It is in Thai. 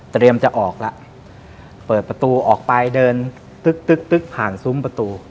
เตรียมจะออกแล้วเปิดประตูออกไปเดินตึ๊กผ่านซุ้มประตู